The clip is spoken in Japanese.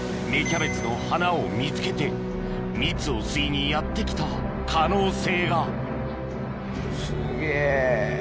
キャベツの花を見つけて蜜を吸いにやって来た可能性がすげぇ。